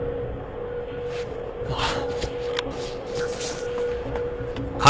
あっ。